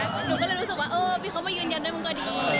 หนูก็เลยรู้สึกว่าเออพี่เขามายืนยันด้วยมึงก็ดี